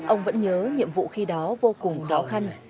ông vẫn nhớ nhiệm vụ khi đó vô cùng khó khăn